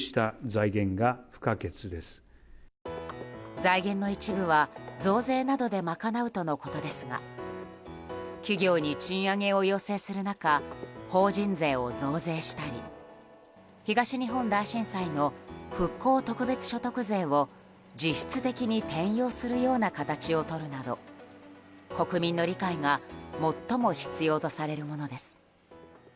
財源の一部は増税などで賄うとのことですが企業に賃上げを要請する中法人税を増税したり東日本大震災の復興特別所得税を実質的に転用するような形をとるなど国民の理解が最も必要とされるものです。